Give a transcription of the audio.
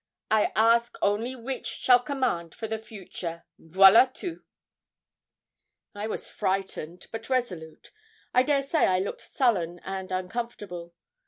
I ask only witch shall command for the future voilà tout!' I was frightened, but resolute I dare say I looked sullen and uncomfortable.